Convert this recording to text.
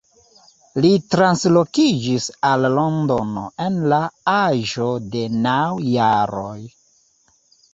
Li translokiĝis al Londono en la aĝo de naŭ jaroj.